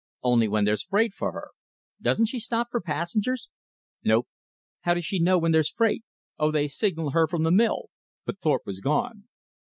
"Only when there's freight for her." "Doesn't she stop for passengers?" "Nope." "How does she know when there's freight?" "Oh, they signal her from the mill " but Thorpe was gone.